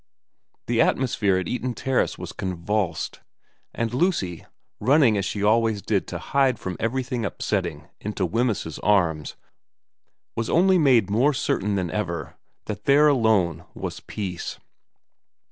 The atmosphere at Eaton Terrace was convulsed ; and Lucy, running as she always did to hide from everything upsetting into Wemyss's arms, was only made more certain than ever that there alone was peace.